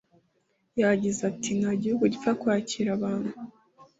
yagize ati “Nta gihugu gipfa kwakira abantu